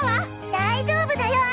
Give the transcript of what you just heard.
大丈夫だよ哀